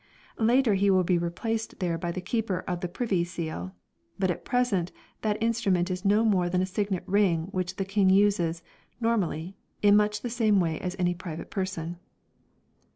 Later he will be replaced there by the Keeper of the Privy Seal ; but at present that in strument is no more than a signet ring which the King uses, normally, in much the same way as any private person.